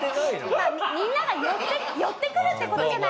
まあみんなが寄ってくるって事じゃないですか。